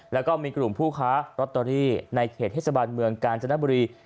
แล้วก็มีกลุ่มผู้ค้ารอตเตอรี่ในเขตเทศบาลเมืองกาญจนบุรี